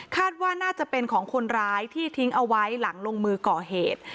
ว่าน่าจะเป็นของคนร้ายที่ทิ้งเอาไว้หลังลงมือก่อเหตุ